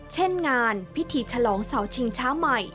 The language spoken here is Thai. เช่นงานพิธีฉลองเสาชิงชะ